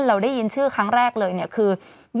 เราได้ยินชื่อครั้งแรกเลยเนี่ยคือ